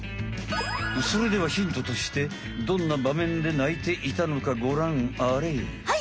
それではヒントとしてどんな場面で鳴いていたのかごらんあれい。